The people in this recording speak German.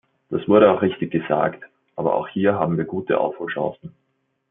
Das wurde auch richtig gesagt, aber auch hier haben wir gute Aufholchancen.